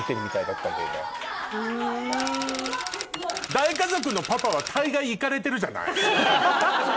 大家族のパパは大概イカレてるじゃない？